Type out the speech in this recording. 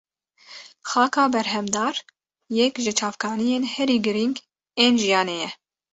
Xaka berhemdar yek ji çavkaniyên herî girîng ên jiyanê ye.